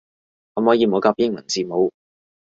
可唔可以唔好夾英文字母